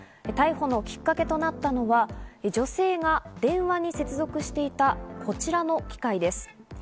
逮捕のきっかけとなったのは、女性が電話に接続していた、こちらの機械です。